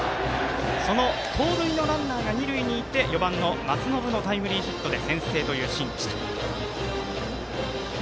その盗塁のランナーが二塁にいて４番の松延のタイムリーヒットで先制というシーンでした。